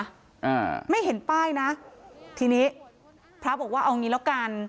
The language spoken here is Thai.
อ่าไม่เห็นป้ายนะทีนี้พระบอกว่าเอางี้แล้วกัน